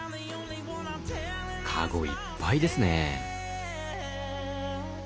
カゴいっぱいですね。